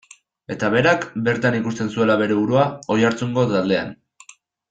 Eta berak, bertan ikusten zuela bere burua, Oiartzungo taldean.